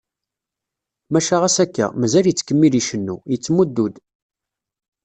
Maca ɣas akka, mazal yettkemmil icennu, yettmuddu-d.